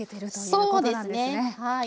そうですねはい。